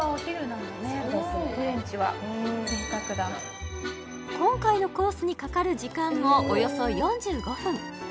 フレンチは今回のコースにかかる時間もおよそ４５分